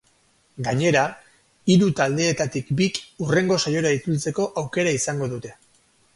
Gainera, hiru taldeetatik bik hurrengo saiora itzultzeko aukera izango dute.